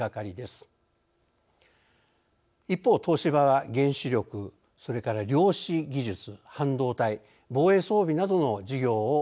一方東芝は原子力それから量子技術半導体・防衛装備などの事業を持っています。